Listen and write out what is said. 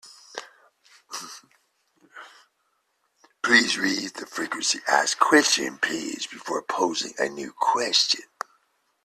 Please read the frequently asked questions page before posing a new question.